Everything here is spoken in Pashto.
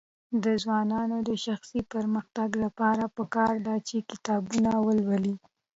د ځوانانو د شخصي پرمختګ لپاره پکار ده چې کتابونه ولولي.